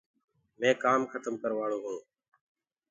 مينٚ ڪآم کتم ڪرواݪو هونٚ۔